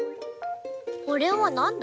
これはなんだ？